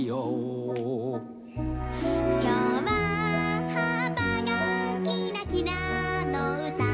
「きょうははっぱがきらきらのうた」